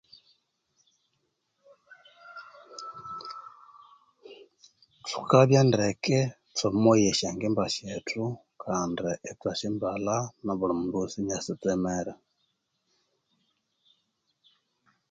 Thukabya ndeke thwamoya esya ngimba syethu kandi ithwa simbalha nobuli mundu ghosi inyasitsemera